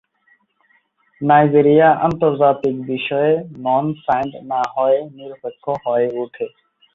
Nigeria আন্তর্জাতিক বিষয়ে "non signed" না হয়ে "নিরপেক্ষ" হয়ে ওঠে।